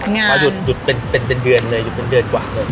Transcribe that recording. งานก็ยุดเป็นเดือนกว่าเลย